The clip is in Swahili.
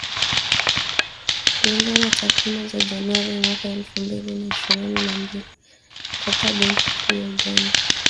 Kulingana na takwimu za Januari mwaka elfu mbili na ishirini na mbili kutoka Benki Kuu ya Uganda